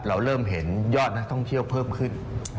เราเริ่มเห็นยอดนักท่องเที่ยวเพิ่มขึ้น